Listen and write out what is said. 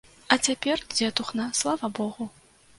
А цяпер, дзетухна, слава богу.